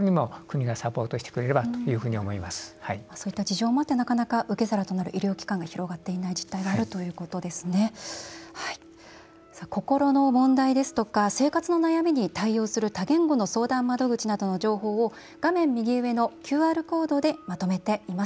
心の問題ですとか生活の問題に心の問題や生活の悩みに対応する多言語の相談窓口などの情報を画面右上のＱＲコードにまとめています。